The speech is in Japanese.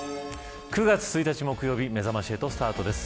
９月１日、木曜日めざまし８スタートです。